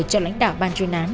cho lãnh đạo bàn truyền án